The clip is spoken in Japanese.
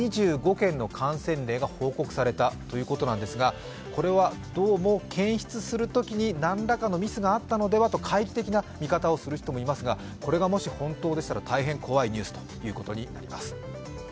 ２５件の感染例が報告されたということなんですがこれはどうも検出するときに、何らかのミスがあったのではと、懐疑的な見方をする人もいますがこれがもし本当でしたら大変怖いニュースということになります。